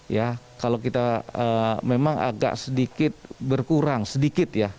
ya kalau kita memang agak sedikit berkurang sedikit ya